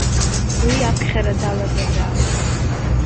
Уи аԥхьара далагазаап.